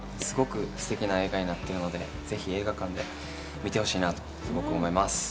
すてきな映画になってるので、ぜひ映画館で見てほしいなと思います。